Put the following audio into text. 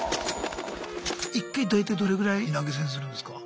１回大体どれぐらい投げ銭するんですか？